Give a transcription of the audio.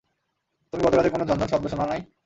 তুমি গত রাতে কোনো ঝন ঝন শব্দ শোনা নাই?